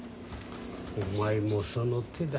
お前もその手だ。